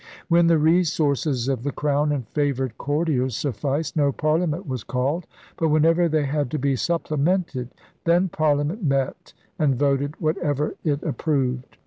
When the resources of the Crown and favored courtiers sufficed, no parliament was called; but whenever they had to be supplemented then parliament met and voted whatever it ap proved.